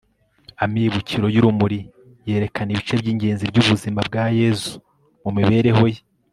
amibukiro y'urumuri yerekana ibice by'ingenzi by'ubuzima bwa yezu mu mibereho ye